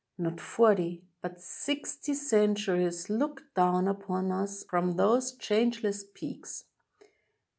Not forty, but sixty, centuries look down upon us from those changeless peaks.